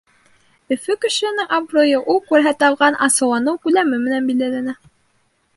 Өфө кешеһенең абруйы ул күрһәтә алған асыуланыу күләме менән билдәләнә.